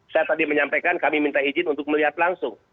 saya tadi menyampaikan kami minta izin untuk melihat langsung